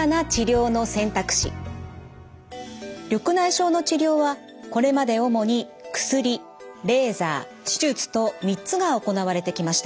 緑内障の治療はこれまで主に薬レーザー手術と３つが行われてきました。